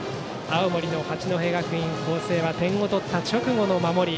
青森の八戸学院光星は点を取った直後の守り。